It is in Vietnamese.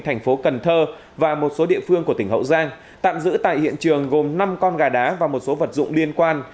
thành phố cần thơ và một số địa phương của tỉnh hậu giang tạm giữ tại hiện trường gồm năm con gà đá và một số vật dụng liên quan